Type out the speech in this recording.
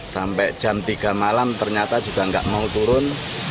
sampai jam tiga malam ternyata juga nggak mau turun